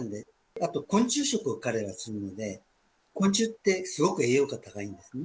あと昆虫食を彼らはするので、昆虫ってすごく栄養価高いんですね。